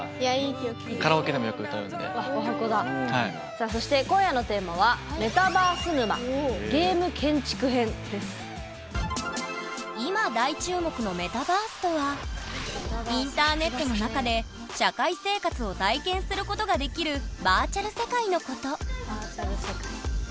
さあそして今夜のテーマは今大注目のメタバースとはインターネットの中で社会生活を体験することができるバーチャル世界のこと